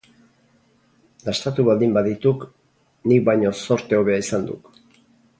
Dastatu baldin badituk, nik baino zorte hobea izan duk.